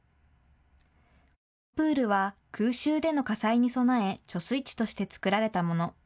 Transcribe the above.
プールは空襲での火災に備え貯水池として作られたもの。